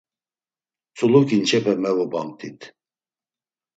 Tzulu ǩinçepe mevobamt̆it.